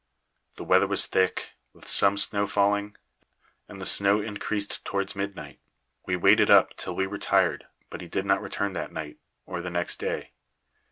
The weather was thick, with some snow falling, and the snow increased towards midnight. We waited up till we were tired, but he did not return that night or the next day.